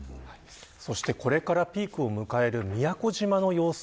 そしてこれからピークを迎える宮古島の様子